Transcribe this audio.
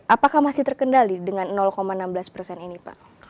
apakah masih terkendali dengan enam belas persen ini pak